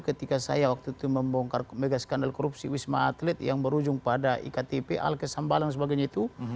ketika saya waktu itu membongkar mega skandal korupsi wisma atlet yang berujung pada iktp alkesambalan dan sebagainya itu